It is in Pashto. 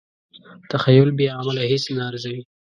تخیل بې عمله هیڅ نه ارزوي.